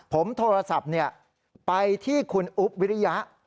ผมโทรศัพท์ไปที่คุณอุ๊บวิริยะ